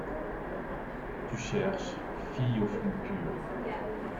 Tu cherches, fille au front pur